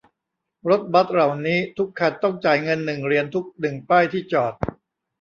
รถบัสเหล่านี้ทุกคันต้องจ่ายเงินหนึ่งเหรียญทุกหนึ่งป้ายที่จอด